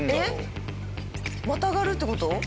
またがるって事？